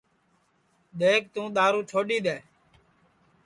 دؔیکھ توں دؔارو چھوڈؔی دؔے